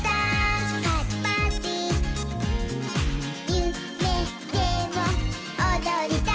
「ゆめでもおどりたい」